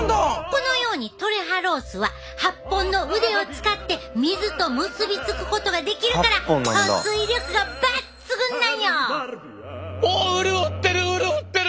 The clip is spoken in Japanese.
このようにトレハロースは８本の腕を使って水と結び付くことができるからお潤ってる潤ってる！